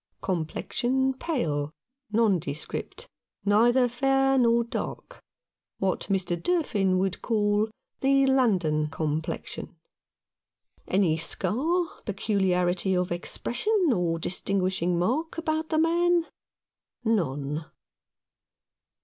Complexion pale, nondescript, neither fair nor dark — what Mr. Durfin would call the London complexion. Any scar, peculiarity of expression, or distin guishing mark about the man ? None.